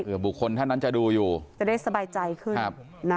บุคคลท่านนั้นจะดูอยู่จะได้สบายใจขึ้นนะ